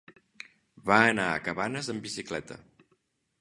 Va anar a Cabanes amb bicicleta.